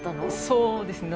そうですね。